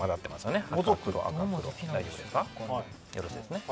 よろしいですね？